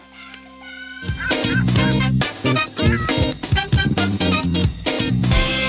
เรียกเสียงกรี๊ด